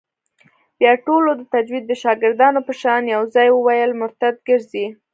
بيا ټولو د تجويد د شاگردانو په شان يو ځايي وويل مرتد کرزى.